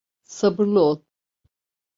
Sabırlı ol.